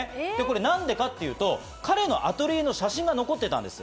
なんでかっていうと、彼のアトリエの写真が残っていたんです。